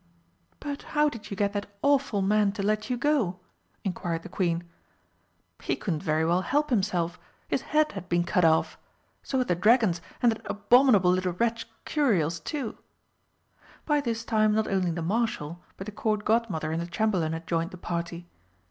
"But how did you get that awful man to let you go?" inquired the Queen. "He couldn't very well help himself his head had been cut off. So had the dragon's, and that abominable little wretch Xuriel's too." By this time not only the Marshal but the Court Godmother and the Chamberlain had joined the party.